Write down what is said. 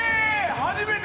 初めて！